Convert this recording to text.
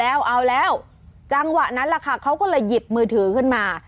แล้วเอาแล้วจังหวะนั้นแหละค่ะเขาก็เลยหยิบมือถือขึ้นมา